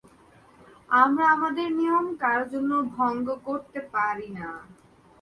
আমরা আমাদের নিয়ম কারো জন্য ভঙ্গ করছে পারি না।